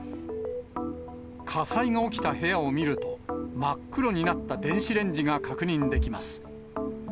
火災が起きた部屋を見ると、真っ黒になった電子レンジが確認できます。